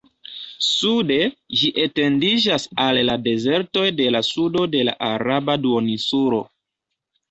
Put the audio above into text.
Sude, ĝi etendiĝas al la dezertoj de la sudo de la Araba Duoninsulo.